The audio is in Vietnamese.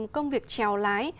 công việc chèo lái